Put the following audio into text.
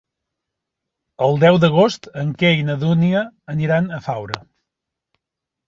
El deu d'agost en Quer i na Dúnia aniran a Faura.